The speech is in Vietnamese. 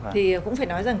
thì cũng phải nói rằng